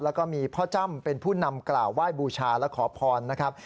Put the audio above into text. แล้วก็มีพ่อจ้ำเป็นผู้นำกล่าวไหว้บูชาและขอพรนะครับ